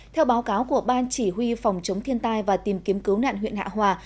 theo báo cáo của ban chỉ huy phòng chống thiên tai và tìm kiếm cứu nạn huyện hạ hòa